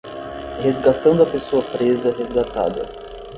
Resgatando a pessoa presa resgatada